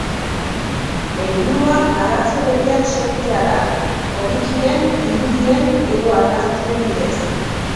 Helburua narrazio berriak sortzea da, komikien, irudien edo argazkien bidez.